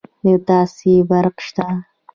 د تاسي برق شته